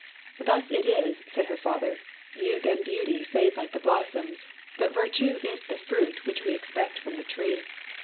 "Thus it is," said her father; "youth and beauty fade like the blossoms, but virtue is the fruit which we expect from the tree.